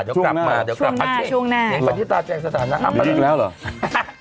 ช่วงหน้าในประติศาสตร์แจ้งสถานะไม่ได้ลิคแล้วหรอ